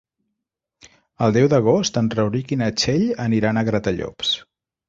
El deu d'agost en Rauric i na Txell aniran a Gratallops.